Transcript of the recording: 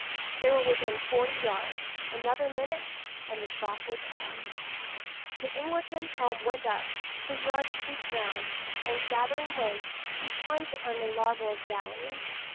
They were within forty yards another minute, and the shock would come. The Englishman's helm went up, his yards creaked round, and gathering way he plunged upon the larboard galley.